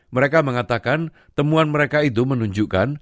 mereka mengatakan temuan mereka itu menunjukkan